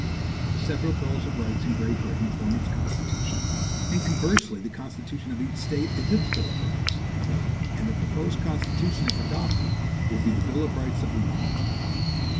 The several bills of rights in Great Britain form its Constitution, and conversely the constitution of each State is its bill of rights. And the proposed Constitution, if adopted, will be the bill of rights of the Union.